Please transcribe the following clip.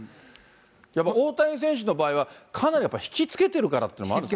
やっぱり大谷選手の場合は、かなりやっぱり引き付けてるからってあるんですか。